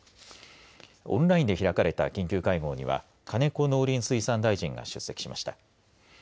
オンラインで開かれた緊急会合には金子農林水産大臣が出席しました。